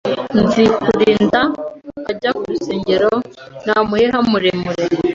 Nzikurinda ajya ku rusenge n' umuheha muremure